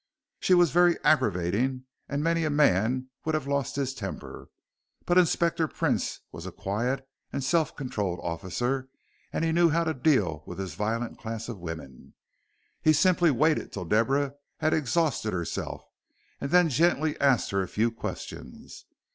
She was very aggravating, and many a man would have lost his temper. But Inspector Prince was a quiet and self controlled officer, and knew how to deal with this violent class of women. He simply waited till Deborah had exhausted herself, and then gently asked her a few questions.